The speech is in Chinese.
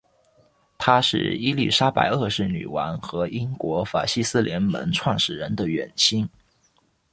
他是伊丽莎白二世女王和英国法西斯联盟创始人的远亲。